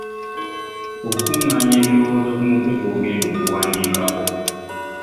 Okukungaanya ebirowoozo ku mutwe gw'ogenda okuwandiikako.